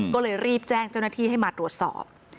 ก็เลยรีบแจ้งเจ้าหน้าที่ให้มาตรวจสอบ